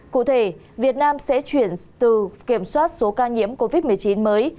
cụ thể việt nam sẽ chuyển từ kiểm soát số ca nhiễm covid một mươi chín mới